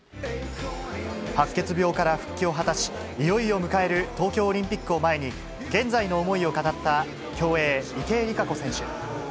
白血病から復帰を果たし、いよいよ迎える東京オリンピックを前に、現在の思いを語った競泳、池江璃花子選手。